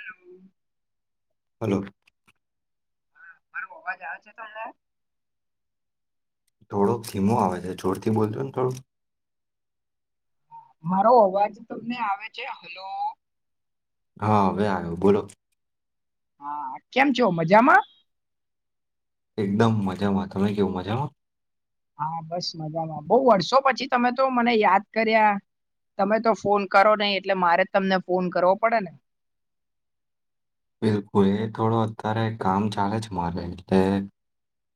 Hello hello હા માારું અવાજ આવે છે તો અમને થોડોક ધીમો આવે છે જોરથી બોલજો ને થોડું મારો અવાજ તમને આવે છે હલો હા હવે આયો બોલો હા કેમ છો મજામાં એકદમ મજામાં તમે કેવું મજામાં હા બસ મજામાં બહુ વર્ષો પછી તમે તો મને યાદ કર્યા તમે તો ફોન કરો નહી એટલે મારે જ તમને ફોન કરવો પડે ને બિલકુલ એ થોડો અત્યારે કામ ચાલે છે મારે એટલે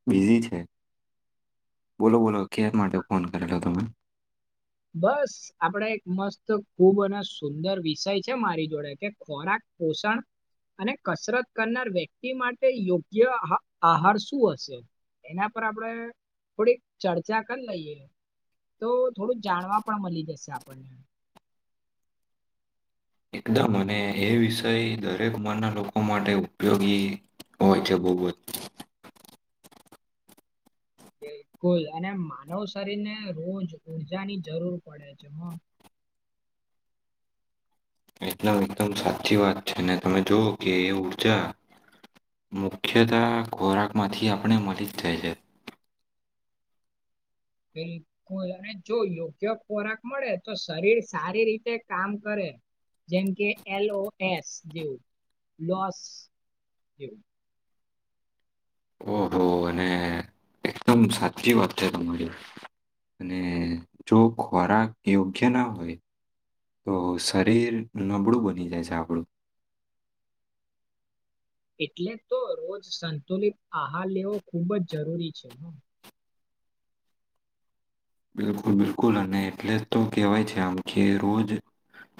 બિઝી છે બોલો બોલો કે માટે ફોન કરેલો તમે બસ આપડે એક મસ્ત ખુબ અને સુંદર વિષય છે મારી જોડે કે ખોરાક પોષણ અને કસરત કરનાર વ્યક્તિ માટે યોગ્ય અહા આહાર શું હશે એના પર આપડે થોડીક ચર્ચા કરી લઈએ તો થોડું જાણવા પણ મળી જશે આપણને એકદમ અને એ વિષય દરેક મનના લોકો માટે ઉપયોગી હોય છે બહુ જ [inaudible] એમ કુલ અને માનવ શરીર ને રોજ ઉર્જા ની જરૂર પડે છે હ [inaudible] એકદમ એકદમ સાચી વાત છે ને તમે જોવ કે એ ઉર્જા મુખ્યત ખોરાકમાંથી આપણે મલીજ જાય છે બિલકુલ અને જો યોગ્ય ખોરાક મળે તો શરીર સારી રીતે કામ કરે જેમ કે એલઓ એસ જેવું લોસ જેવું ઓહ હો અને એકદમ સાચી વાત છે તમારી અને જો ખોરાક યોગ્ય ના હોય તો શરીર નબળું બની જાય છે આપણું એટલે તો રોજ સંતુલિત આહાર લેવો ખુબ જ જરૂરી છે બિલકુલ બિલકુલ અને એટલે તો કહેવાય છે આમ કે રોજ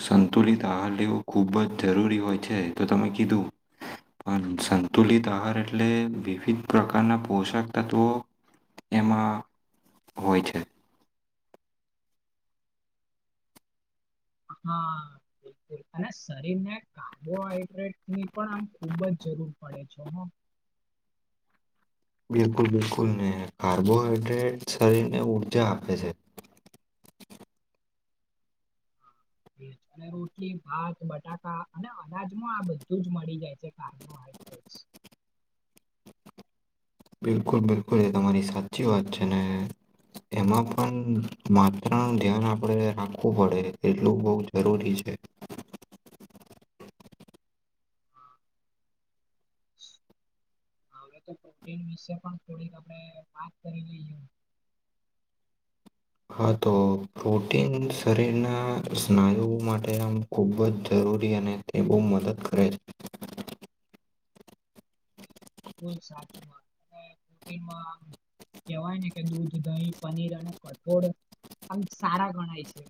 સંતુલિત આહાર લેવો ખૂબ જ જરૂરી હોય છે તો તમે કીધું પણ સંતુલિત આહાર એટલે વિવિધ પ્રકારના પોષક તત્વો એમાં હોય છે હા અને શરીર ને કાર્બોહાઈડ્રેટની પણ આમ ખુબ જ જરૂર પડે છે હ બિલકુલ બિલકુલ ને કાર્બોહાઈડ્રેટ શરીરને ઊર્જા આપે છે હા અને રોટલી ભાત બટાકા અને અનાજમાં આ બધું જ મળી જાય છે [unintelligible] અચ બિલકુલ બિલકુલ એ તમા તમારી સાચી વાત છે. એમાં પણ માત્ર ધ્યાન આપડે રાખવું પડે એટલું બઉ જરૂરી છે. [inaudible] [inaudible] [inaudible] હવે તો પ્રોટીન વિશે પણ થોડીક આપણે વાત કરી લઈએ. [inaudible] હા તો પ્રોટીન શરીરના સ્નાયુઓ માટેના ખુબ જ જરૂર અને તે બહ મદદ કરે છે. [inaudible] એમાં કેવાય છે કે દૂધ દહીં પનીર અને કઠોળ આવી સારા ગણાય છે.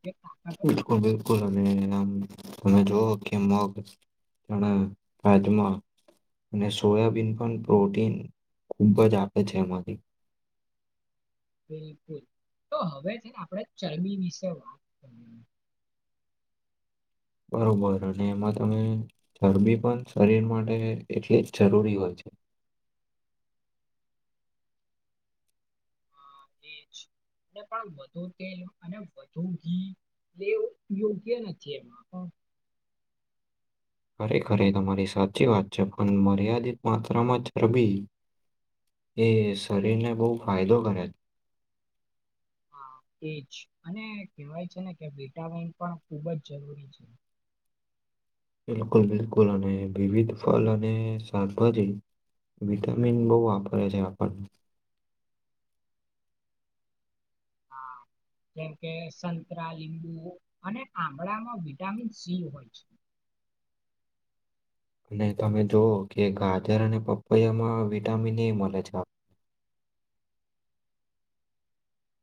જે તાકાત આપે બિલકુલ છે બિલકુલ અને આમ તમે જોવ મગ, ચણા, રાજમા અને સોયાબીન પણ પ્રોટીન ખૂબ જ આપે છે એમાંથી બિલકુલ તો હવે છેને આપણે ચરબી વિશે વાત કરીએ. બરોબર અને એમાં તમે ચરબી પણ શરીર માટે એટલી જ જરૂરી હોય છે. [unintelligible] પણ વધુ તેલ અને વધુ ઘી એ યોગ્ય નથી એમ. ખરેખર તમારી સાચી વાત છે પણ મર્યાદિત માત્રામાં ચરબી એ શરીરને બહુ ફાયદો કરે છે. હા. એજ અને કેહેવાય છે ને કે વિટામિન પણ ખુબ જ જરૂરી છે. બિલકુલ બિલકુલ અને વિવિધ ફલ અને શાકભાજી વિટામિન બો આપરે છે આપણ [inaudible] હા જેમ કે સંતરા લીંબુ અને આબળામાં વિટામિન સી હોય છે [inaudible] અને તમે જોવઓ કે ગાજર અને પપૈયામાં વિટામિન એ મળે છે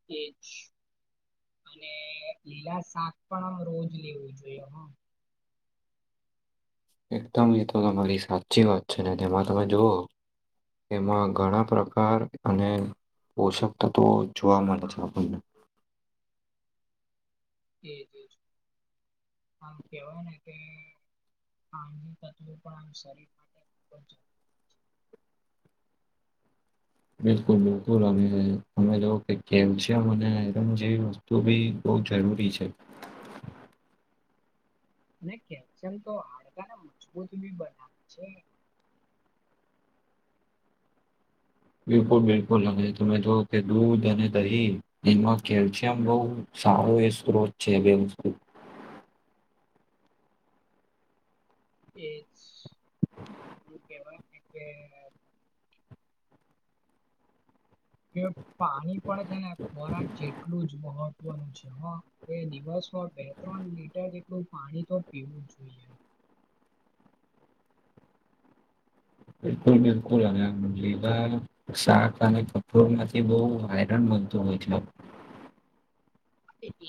કે અને લીલા શાક પણ રોજ લેવું જોઈએ હ એકદમ એ તો તમારી સાચી વાત છે ને તેમાં તમે જુઓ એમાં ઘણા પ્રકાર અને પોશકતા તો જોવા મળે છે આપણને એ [inaudible] આમ કેવાય ને કે આ તત્વો પણ આ શરીર માટે ખુબ જ જરૂરી છે બિલકુલ બિલકુલ અને તમે જોવ કે કેલ્શિયમ અને આયરન જેવી વસ્તુ બી બો જરૂરી છે [inaudible] અને કેલ્શિયમ તો હાડકાને મજબૂત બી બનાવે છે બિલકુલ બિલકુલ અને તમે જો કે દૂધ અને દહી એમાં કેલ્શિયમ બો સારું એ સ્ત્રોત છે બે વસ્તુ [inaudible] એ શુ કેવાય કે એ પાણી પણ છે ને ખોરાક જેટલું જ મ મહત્વ નું છે એ દિવસમાં બે ત્રણ લીટર જેટલું પાણી તો પીવું જ જોઈએ બિલકુલ બિલકુલ અને આમ લીવા શાક અને કપોર માંથી બહુ એનામ મળતું હોય છે. [inaudible]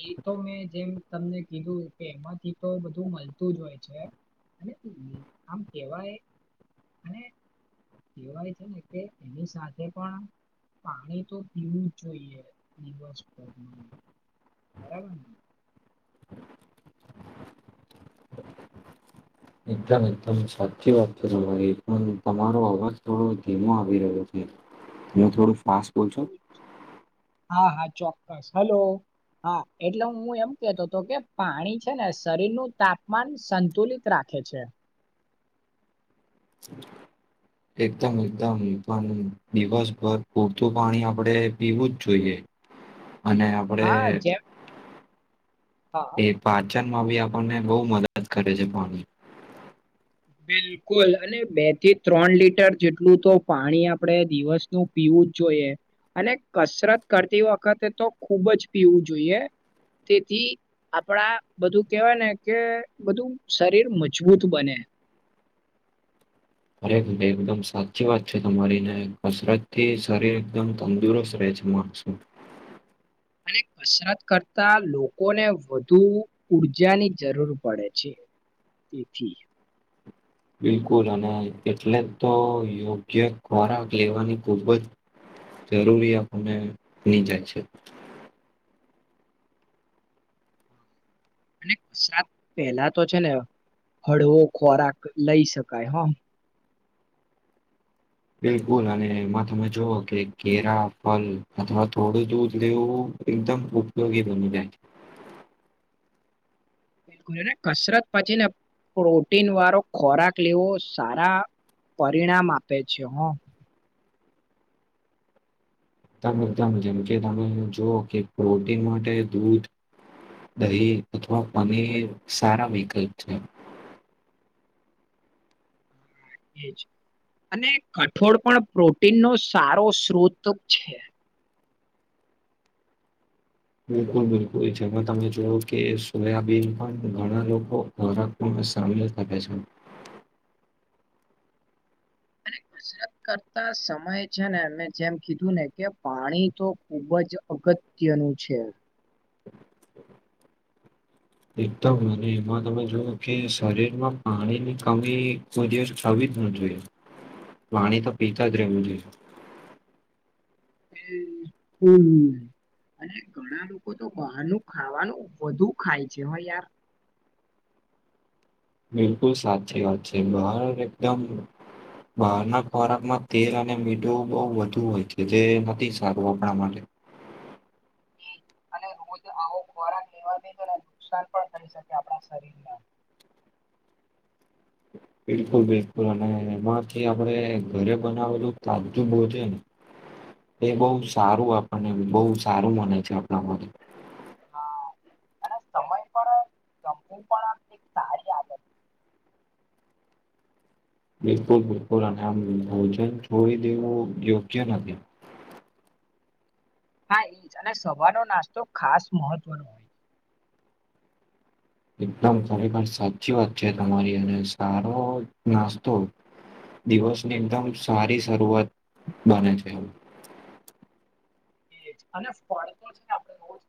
એ તો મેં જેમ તમને કીધું કે એમાંથી તો બધું મળતું જ હોય છે. અને આમ કેવાય અને કેવાય છે ને કે એની સાથે પણ પાણી તો પીવું જ જોઈએ દિવસભરમાં. બરાબરને? એકદમ એકદમ સાચી વાત છે તમારી પણ તમારો અવાજ થોડો ધીમો આવી રહ્યો છે. અને થોડું ફાસ્ટ બોલશો. હ હલો હા એટલે હું એમ કેતો હતો કે પાણી છે ને શરીર નું તાપમાન સંતુલિત રાખે. અચ્છા. [inaudible] એકદમ એકદમ પણ દિવસભર પૂરતું પાણી આપણેે પીવું જ જોઈએ. [inaudible] અને આપડે હા જેમ હા એક પા કિચનમાં બી આપણને બહ મદદ કરે છે પાની. બિલકુલ અને બે થી ત્રણ લીટર જેટલું તો પાણી આપડે દિવસમાં પીવું જોઈએ અને કસરત કરતી વખતે તો ખુબ જ પીવું જોઈએ. તેથી આપણા બધું કેહેવાય ને કે બધું શરીર મજબૂત બને. અરે ભરે એકદમ સાચી વાત છે તમારી ને કસરતથી શરીર એકદમ તંદુરસ્ત રહે. [inaudible] [inaudible] અને કસરત કરતા લોકોને વધુ ઉર્જાની જરૂર પડે છે. તેથી બિલકુલ. અને એટલે તો યોગ્ય ખોરાક લેવાની ખુબ જ જરૂરી આપણને બની જાય છે. અને [unintelligible] પેલા તો છે ને હળવો ખોરાક લઈ શકાય, હા. બિલકુલ, અને એમાં તમે જોવો કે કેળા, ફલ અથવા થોડું દૂધ લેવું એકદમ ઉપયોગી બની જાય છે. [inaudible] બિલકુલ, અને કસરત પછી ને પ્રોટીન વાળો ખોરાક લેવો સારા પરિણામ આપે છે હ એકદમ એકદમ જેમ કે તમે જોુ કે પ્રોટીન માટે દૂધ દહી અથવા પાની સારા વિકલ્પ છે કે છે અને કઠોળ પણ પ્રોટીનનોો સારો સ્ત્રોત છે બિલકુલ બિલકુલ જેમાં તમે જોવ કે સોયાબીન પણ ઘણા લોકો હરક સામેલ છે [inaudible] [inaudible] કસરત કરતા સમય છે ને મે જેમ કીધું ને કે પાણી તો ખુબ જ અગત અત્યનું છે એકદમ અને એમાં તમે જોુવ કે શરીરમાં પાણી ની કમી કો દિવવી જો વાણી તો પીતા જ રહેવું જોઈએ હ હમ અને ઘણા લોકો તો બહારનું ખાવાનું વધુ ખાય છે હ યાર [inaudible] બિલકુલ સાચી વાત છે બાર એકદમ બહાર ના ખોરાકમાં તેલ અને મીઠું બહ વધુ હોય છે જે નથી સારું આપણા માટે હમ રોજ આવો ખોરાક લેવા દજ અને નુકસાન પણ થઈ શકે આપણા શરીરમાં બિલકુલ બિલકુલ અને એમાંથી આપડે ઘરે બનાવલ તાજજું બોજે ને એ બહુ સારું આપણને બહુ સારું મને છે આપણા મ હા અને સમય પણ જમુ પણ આ એક સારી આદત બિલકુલ બિલકુલ અને આમ ભોજન છોડી દેવું યોગ્ય નથી હા એ જ અને સવારનો નાસ્તો ખાસ મહત્વનો હોય છે એકદમ ખરેખર સાચી વાત છે તમારી અને સારો નાસ્તો દિવસની એકદમ સારી શરૂઆત બને છે એ જ અને ફળ તો છે આપણેજ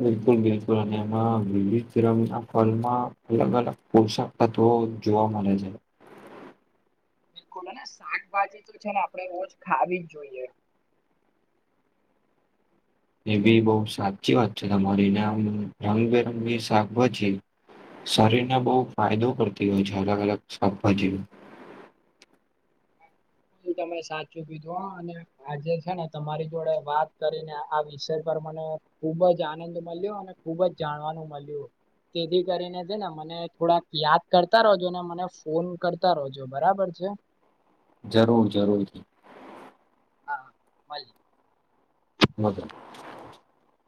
બિલકુલ બિલકુલ અને એમાં વિમના ફલમાં અલગ અલગ પોશાક બ જોવા મળે છે બિલકુલ અને શાકભાજી તો છે ને આપણે રોજ ખાવી જ જોઈએ એવી બહ સાચી વાત છે તમારીનેમ રંગબેરંગી શાકભાજી શરીરને બહુ ફાયદો કરતી હોય છે અલગ અલગ શાકભાજી તમે સાચું કીધો અને આજે છે ને તમારી જોડે વાત કરીને આ વિષય પર અને ખુબ જ આનંદ મળ્યો અને ખુબ જ જાણવાનું મળ્યું તેથી કરીને છે ને મને થોડાક યાદ કરતા રહોજો ને મને ફોન કરતા રહોજો બરાબર છે જરૂર જરૂર હા મળલ બજરા